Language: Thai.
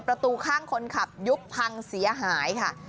ประตูข้างคนขับยุบพังเสียหายค่ะ